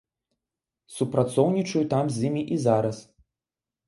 Супрацоўнічаю там з імі і зараз.